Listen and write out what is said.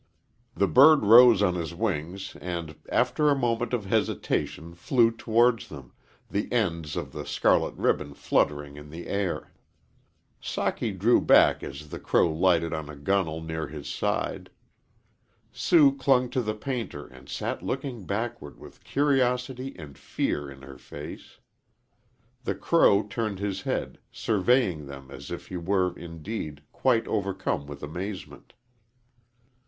The bird rose on his wings and, after a moment of hesitation, flew towards them, the ends of the scarlet ribbon fluttering in the air. Socky drew back as the crow lighted on a gunwale near his side. Sue clung to the painter and sat looking backward with curiosity and fear in her face. The crow turned his head, surveying them as if he were, indeed, quite overcome with amazement.